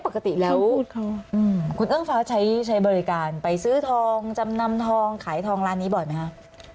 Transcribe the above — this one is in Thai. ปกติแล้วคุณเอื้องฟ้าใช้บริการไปซื้อทองจำนำทองขายทองร้านนี้บ่อยไหมคะ